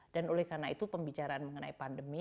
dan oleh karena itu pembicaraan mengenai pandemi